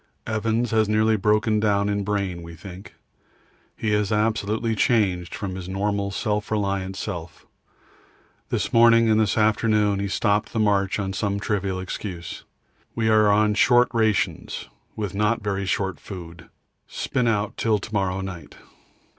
Evans has nearly broken down in brain, we think. He is absolutely changed from his normal self reliant self. This morning and this afternoon he stopped the march on some trivial excuse. We are on short rations with not very short food; spin out till to morrow night.